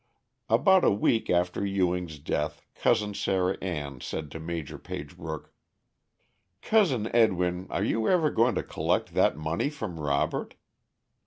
About a week after Ewing's death Cousin Sarah Ann said to Maj. Pagebrook: "Cousin Edwin, are you ever going to collect that money from Robert?